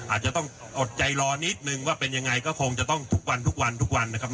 อาจจะต้องอดใจรอนิดนึงว่าเป็นยังไงก็คงจะต้องทุกวันทุกวันทุกวันนะครับ